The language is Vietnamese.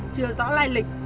chưa rõ lai lịch